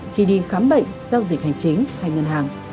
khi đi khám bệnh giao dịch hành chính hay ngân hàng